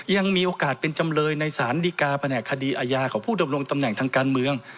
ยังมีโอกาสเป็นจำเลยในสารดีกาแผนกคดีอาญาของผู้ดำรงตำแหน่งทางการเมือง